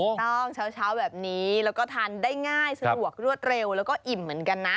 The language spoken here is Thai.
เช้าแบบนี้แล้วก็ทานได้ง่ายสะดวกรวดเร็วแล้วก็อิ่มเหมือนกันนะ